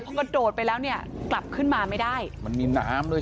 พอกระโดดไปแล้วเนี่ยกลับขึ้นมาไม่ได้มันมีน้ำด้วย